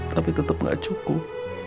tapi tetep gak cukup